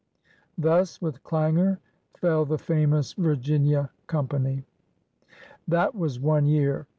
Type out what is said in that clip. Thus with clangor fell the famous Virginia Company. That was one year.